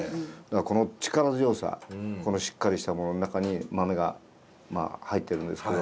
この力強さこのしっかりしたものの中に豆が入ってるんですけどね。